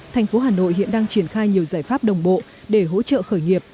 thành phố hà nội hiện đang triển khai nhiều giải pháp đồng bộ để hỗ trợ khởi nghiệp